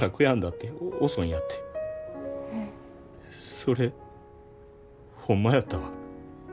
それホンマやったわ。